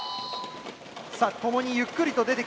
さあ共にゆっくりと出てきました。